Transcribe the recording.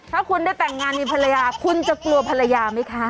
ถ้าคุณได้แต่งงานมีภรรยาคุณจะกลัวภรรยาไหมคะ